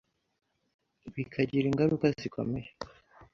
bikagira ingaruka zikomeye